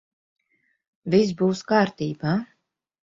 Viss būs kārtībā.